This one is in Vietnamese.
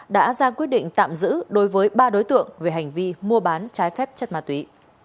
đã ra quyết định tạm giữ đối với ba đối tượng về hành vi mua bán trái phép chất ma túy